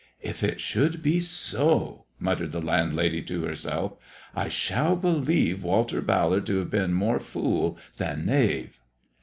" If it should be so," muttered the landlady to herself, " I shall believe Walter Ballard to have been more fool than knave."